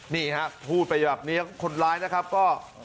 นี่ฮะพูดไปแบบนี้คนร้ายนะครับก็